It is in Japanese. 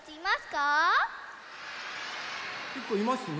けっこういますね。